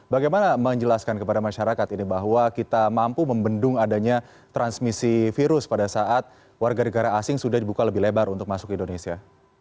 bagaimana menjelaskan kepada masyarakat ini bahwa kita mampu membendung adanya transmisi virus pada saat warga negara asing sudah dibuka lebih lebar untuk masuk ke indonesia